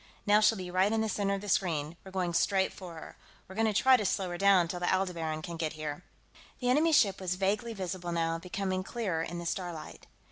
Now she'll be right in the center of the screen; we're going straight for her. We're going to try to slow her down till the Aldebaran can get here...." The enemy ship was vaguely visible, now, becoming clearer in the starlight.